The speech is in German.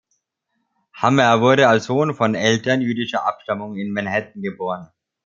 Hammer wurde als Sohn von Eltern jüdischer Abstammung in Manhattan geboren.